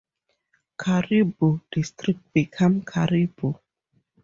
Cariboo District became Cariboo.